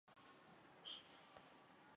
长鼻松鼠属等之数种哺乳动物。